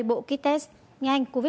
bộ ký test nhanh covid một mươi chín